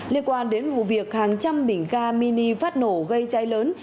liên quan đến vụ việc hàng trăm bình ga mini phát nổ gây cháy lớn